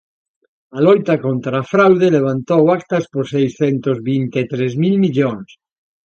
A loita contra a fraude levantou actas por seiscentos vinte e tres mil millóns.